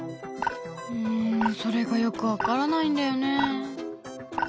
うんそれがよく分からないんだよね。